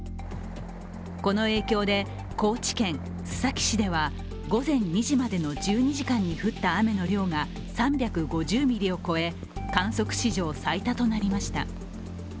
この影響で高知県須崎市では午前２時までの１２時間に降った雨の量が３５０ミリを超え観測史上最多となりました。